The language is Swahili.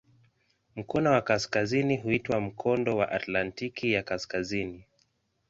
Mkono wa kaskazini huitwa "Mkondo wa Atlantiki ya Kaskazini".